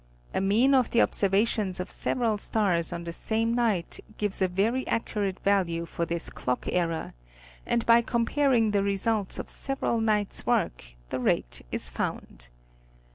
A mean of the observations of several stars on the same night, gives a very accurate value for. this clock error, and by comparing the results of several nights' work, the rate is found.